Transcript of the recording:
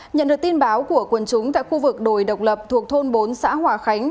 nhận được tin báo của quần chúng tại khu vực đồi độc lập thuộc thôn bốn xã hòa khánh